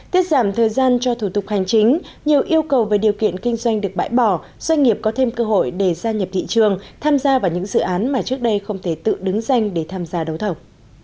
tiết giảm thời gian cho thủ tục hành chính nhiều yêu cầu về điều kiện kinh doanh được bãi bỏ doanh nghiệp có thêm cơ hội để gia nhập thị trường tham gia vào những dự án mà trước đây không thể tự đứng danh để tham gia đấu thầu